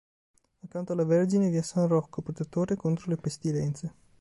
Accanto alla Vergine vi è san Rocco, protettore contro le pestilenze.